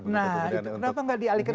nah kenapa tidak dialihkan